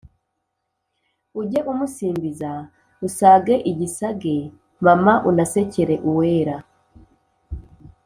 Ujye umusimbiza Usage igisage mama Unasekere Uwera